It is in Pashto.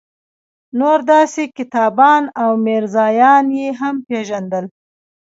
نور داسې کاتبان او میرزایان یې هم پېژندل.